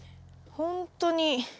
ほんとに。